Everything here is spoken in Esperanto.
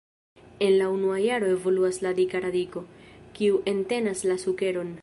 En la unua jaro evoluas la dika radiko, kiu entenas la sukeron.